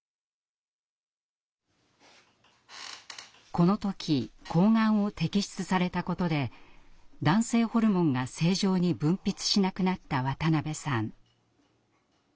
この時睾丸を摘出されたことで男性ホルモンが正常に分泌しなくなった渡邊さん。